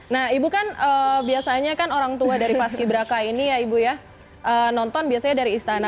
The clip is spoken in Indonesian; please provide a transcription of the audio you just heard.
nah ibu kan biasanya kan orang tua dari paski braka ini ya ibu ya nonton biasanya dari istana